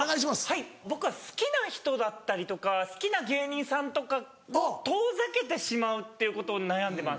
はい僕は好きな人だったりとか好きな芸人さんとか遠ざけてしまうっていうことに悩んでます。